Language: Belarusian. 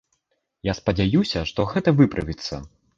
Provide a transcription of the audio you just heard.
Я спадзяюся, што гэта выправіцца.